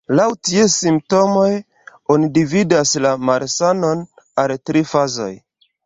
Laŭ ties simptomoj oni dividas la malsanon al tri fazoj.